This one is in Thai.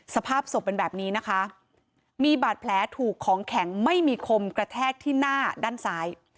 สภาพศพเป็นแบบนี้นะคะมีบาดแผลถูกของแข็งไม่มีคมกระแทกที่หน้าด้านซ้าย